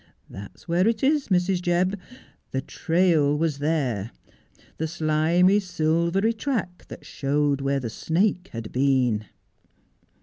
That's where it is, Mrs. Jebb. The trail was there — the slimy, silvery track that showed where the snake had been.'